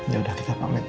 yaudah kita pamit